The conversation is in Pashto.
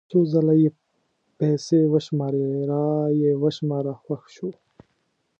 څو ځله یې پیسې وشمارلې را یې وشماره خوښ شو.